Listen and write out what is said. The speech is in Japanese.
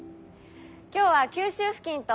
今日は九州付近と。